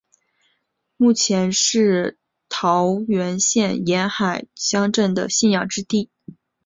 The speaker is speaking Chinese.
目前是桃园县沿海乡镇居民的信仰中心之一。